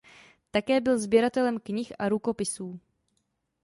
Také byl sběratelem knih a rukopisů.